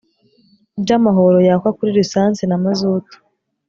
by amahoro yakwa kuri lisansi na mazutu